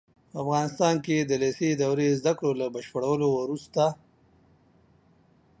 په افغانستان کې د لېسې دورې زده کړو له بشپړولو وروسته